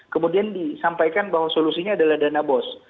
kemudian disampaikan bahwa solusinya adalah dana bos